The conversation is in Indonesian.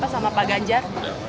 sama pak ganjar